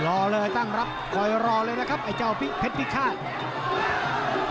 รอเลยตั้งรับคอยรอเลยนะครับไอ้เจ้าเพชรพิฆาต